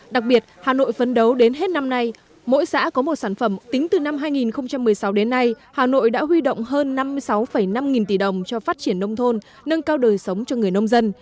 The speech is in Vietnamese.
đặc biệt hà nội phấn đấu đến hết năm nay mỗi xã có một sản phẩm tính từ năm hai nghìn một mươi sáu đến nay hà nội đã huy động hơn năm mươi sáu năm nghìn tỷ đồng cho phát triển nông thôn nâng cao đời sống cho người nông dân